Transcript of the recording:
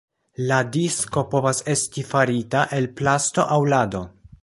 La disko povas esti farita el plasto aŭ lado.